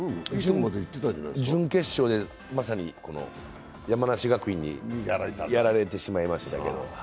準決勝でまさに山梨学院にやられてしまいましたけど。